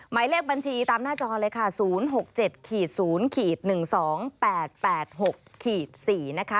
หมายเลขบัญชีตามหน้าจอเลยค่ะ๐๖๗๐๑๒๘๘๖๔นะคะ